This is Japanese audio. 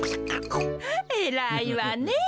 えらいわね。